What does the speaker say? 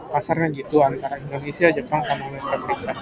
pasarnya gitu antara indonesia jepang dan amerika serikat